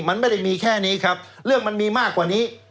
มันไม่ได้มีแค่นี้ครับเรื่องมันมีมากกว่านี้